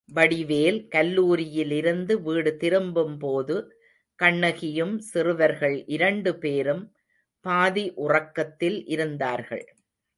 வடிவேல் கல்லூரியிலிருந்து வீடு திரும்பும்போது கண்ணகியும் சிறுவர்கள் இரண்டு பேரும் பாதி உறக்கத்தில் இருந்தார்கள்.